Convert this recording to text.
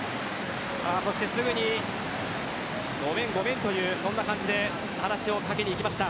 そしてすぐにごめんごめんという感じで話をかけにいきました。